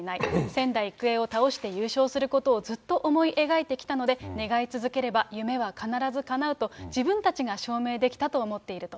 仙台育英を倒して優勝することをずっと思い描いてきたので、願い続ければ夢は必ずかなうと、自分たちが証明できたと思っていると。